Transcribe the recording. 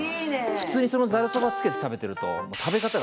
普通にざるそばつけて食べてると。